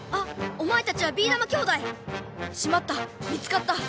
おまえたちはビーだま兄弟！しまった見つかった！